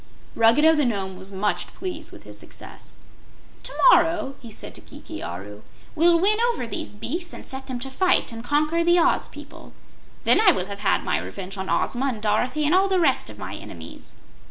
Ruggedo the Nome was much pleased with his success. "To morrow," he said to Kiki Aru, "we'll win over these beasts and set them to fight and conquer the Oz people. Then I will have my revenge on Ozma and Dorothy and all the rest of my enemies."